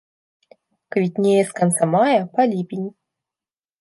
Квітнее з канца мая па ліпень.